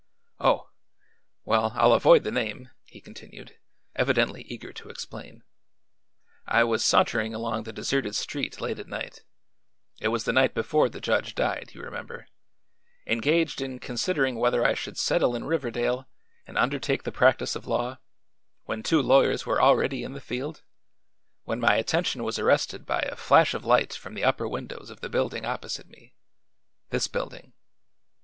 "Oh. Well, I'll avoid the name," he continued, evidently eager to explain. "I was sauntering along the deserted street late at night it was the night before the judge died, you remember engaged in considering whether I should settle in Riverdale and undertake the practice of law, when two lawyers were already in the field, when my attention was arrested by a flash of light from the upper windows of the building opposite me this building.